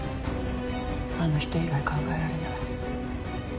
あの人以外考えられない。